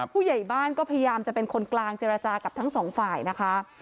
ผู้ใหญ่บ้านก็พยายามจะเป็นคนกลางเจรจากับทั้งสองฝ่ายนะคะ